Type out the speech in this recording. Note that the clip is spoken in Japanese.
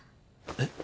えっ？